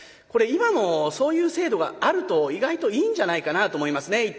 これ今もそういう制度があると意外といいんじゃないかなと思いますね。